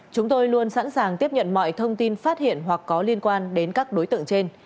chúng tôi luôn sẵn sàng tiếp nhận mọi thông tin phát hiện hoặc có liên quan đến các đối tượng trên